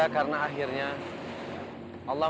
beribadah kepada allah